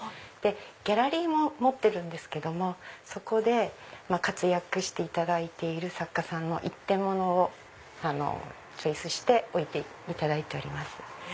ギャラリーも持ってるんですけどもそこで活躍していただいている作家さんの一点物をチョイスして置いていただいております。